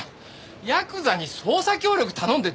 ヤクザに捜査協力頼んでどうするの！